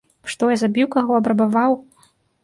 Што, я забіў каго, абрабаваў?